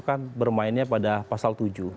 kan bermainnya pada pasal tujuh